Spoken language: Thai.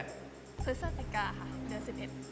คือเซอร์สิกาค่ะเดือน๑๑